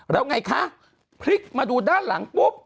แล้วไงคะพลิกมาดูด้านหลังปุ๊บ